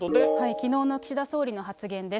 きのうの岸田総理の発言です。